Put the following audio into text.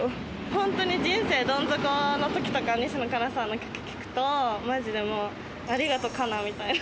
本当に人生どん底のときとか、西野カナさんの曲聴くと、まじでもう、ありがとう、カナみたいな。